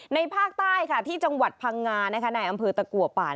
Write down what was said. ภาคใต้ค่ะที่จังหวัดพังงาในอำเภอตะกัวป่า